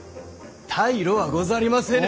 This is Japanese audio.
退路はござりませぬ。